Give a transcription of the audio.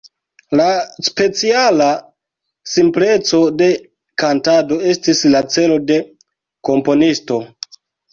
La speciala simpleco de kantado estis la celo de komponisto.